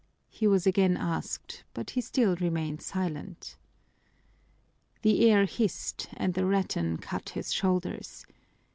he was again asked, but he still remained silent. The air hissed and the rattan cut his shoulders.